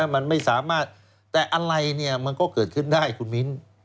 มันไม่สามารถแต่อะไรเนี่ยมันก็เกิดขึ้นได้คุณมิ้น